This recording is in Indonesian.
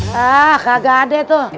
hah kagak ada tuh